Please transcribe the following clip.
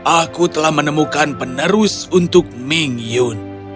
aku telah menemukan penerus untuk ming yun